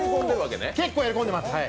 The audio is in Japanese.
結構やりこんでます。